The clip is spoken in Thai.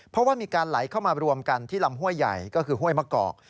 เพราะว่ามีการไหลเข้ามารวมกันที่ลำห้วยใหญ่ก็คือห้วยมะกอก